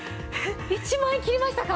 １万切りましたか。